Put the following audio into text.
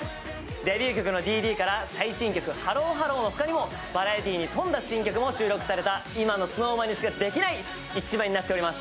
デビュー曲の「Ｄ．Ｄ．」から最新曲、「ＨＥＬＬＯＨＥＬＬＯ」までバラエティーにとんだ新曲も収録された今のＳｎｏｗＭａｎにしかできない１枚になってております。